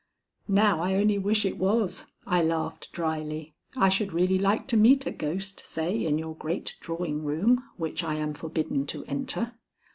"Now I only wish it was," I laughed dryly. "I should really like to meet a ghost, say, in your great drawing room, which I am forbidden to enter."